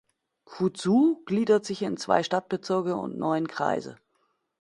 Fuzhou gliedert sich in zwei Stadtbezirke und neun Kreise.